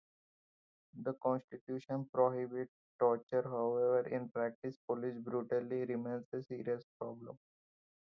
The constitution prohibits torture; however, in practice police brutality remains a serious problem.